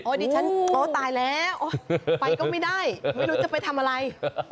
ดิฉันโอ้ตายแล้วไปก็ไม่ได้ไม่รู้จะไปทำอะไร